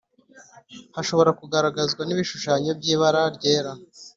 hashobora kugaragazwa n'ibishushanyo by'ibara ryera.